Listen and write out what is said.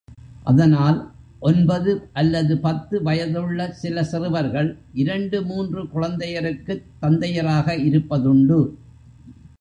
அதனால் ஒன்பது அல்லது பத்து வயதுள்ள சில சிறுவர்கள் இரண்டு மூன்று குழந்தையருக்குத் தந்தையராக இருப்பதுண்டு.